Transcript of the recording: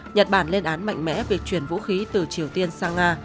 nhật bản lên án mạnh mẽ việc chuyển vũ khí từ triều tiên sang nga